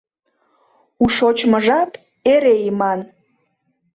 У шочмо жап эре иман.